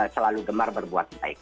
selalu gemar berbuat baik